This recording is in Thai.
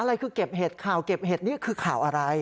อะไรคือเก็บเห็ดข่าวเก็บเห็ดนี่คือข่าวอะไร